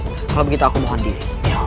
kalau begitu aku mohon diri